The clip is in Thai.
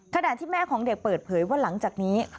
ขณะที่แม่ของเด็กเปิดเผยว่าหลังจากนี้